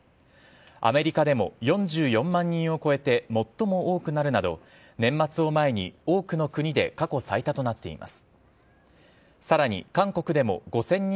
アメリカでも４４万人を超えて最も多くなるなど、年末を前に多くの国で過去最多となっています。